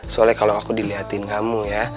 soalnya kalau aku dilihatin kamu ya